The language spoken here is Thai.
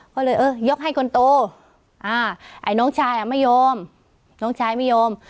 ก็เลยเออยกให้คนโตอ่าไอ้น้องชายอ่ะไม่ยอมน้องชายไม่ยอม